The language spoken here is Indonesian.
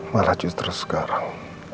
malah justru sekarang